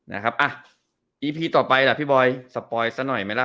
อันตรีต่อไปล่ะพี่บอยสปอยสักหน่อยไหมล่ะ